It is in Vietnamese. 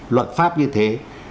luật pháp như thế